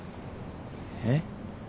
えっ？